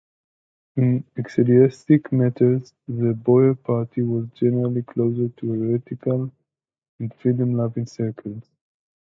In ecclesiastic matters, the boyar party was generally closer to heretical and freedom-loving circles.